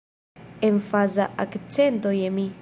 Emfaza akcento je mi.